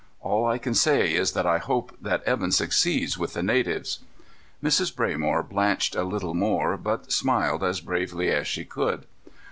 All I can say is that I hope Evan succeeds with the natives." Mrs. Braymore blanched a little more, but smiled as bravely as she could.